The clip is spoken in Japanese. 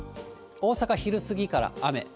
大阪、昼過ぎから雨。